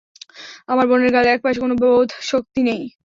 আমার বোনের গালের এক পাশে কোনো বোধ শক্তি নেই।